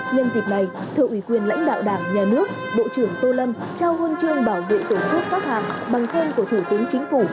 nhân dịp này thượng ủy quyền lãnh đạo đảng nhà nước bộ trưởng tô lâm trao hôn trương bảo vệ tổ chức các hàng bằng thêm của thủ tướng chính phủ